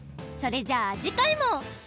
それじゃあじかいも。